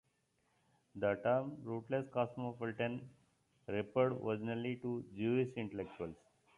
The term "rootless cosmopolitan" referred originally to Jewish intellectuals.